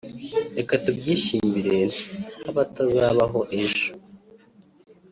Reka tubyishimire ntabatazabaho ejo